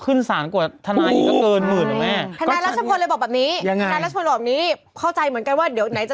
คือเจ้านี้ต้องมีความอดทนมากเนาะ